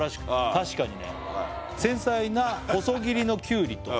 確かにね「繊細な細切りのきゅうりと」